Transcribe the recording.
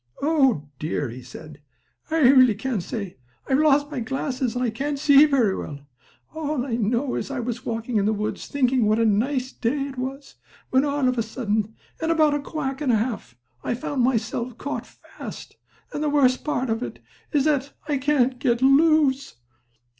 "Oh dear," he said, "I really can't say. I've lost my glasses, and I can't see very well. All I know is that I was walking in the woods, thinking what a nice day it was, when, all of a sudden, in about a quack and a half, I found myself caught fast. And the worst part of it is that I can't get loose!"